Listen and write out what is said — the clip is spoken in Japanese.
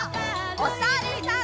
おさるさん。